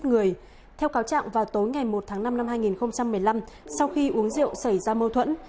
theo cáo trạng vào tối ngày một tháng năm năm hai nghìn một mươi năm sau khi uống rượu xảy ra mâu thuẫn